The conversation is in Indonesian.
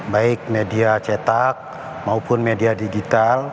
baik media cetak maupun media digital